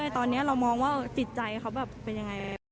ตอนนี้เรามองว่าจิตใจเขาแบบเป็นยังไง